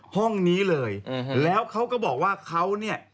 ห้องนี้เลยแล้วเขาก็บอกว่าเขาเนี่ย